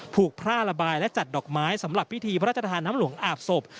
ถูกแพร่ระบายและจัดดอกไม้สำหรับพิธีพระราชทานน้ำหลวงอาบศพ